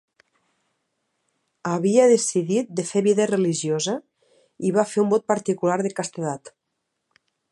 Havia decidit de fer vida religiosa i va fer un vot particular de castedat.